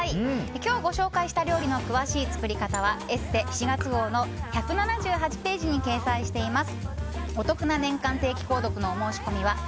今日ご紹介した料理の詳しい作り方は「ＥＳＳＥ」４月号の１７８ページに掲載しています。